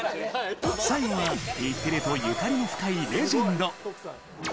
最後は、日テレとゆかりの深いレジェンド。